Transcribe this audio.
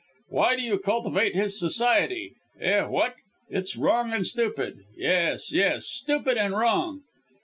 Why do you cultivate his society? Eh, what? It's wrong and stupid; yes, yes, stupid and wrong."